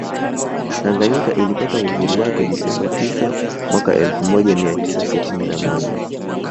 Taganyika ilipata uhuru wake Desemba tisa mwaka elfu moja mia tisa sitini na moja